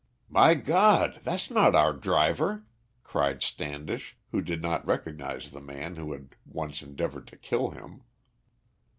"My God! that's not our driver," cried Standish, who did not recognise the man who had once endeavoured to kill him.